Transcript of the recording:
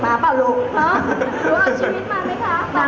ป๊าป๊าป๊าป๊าป๊าป๊า